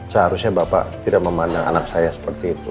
seharusnya bapak tidak memandang anak saya seperti itu